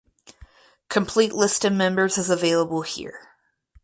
Complete list of members is available here.